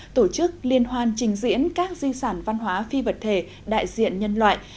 tổ chức liên hoan trình diễn các di sản văn hóa phi vật thể đại diện nhân loại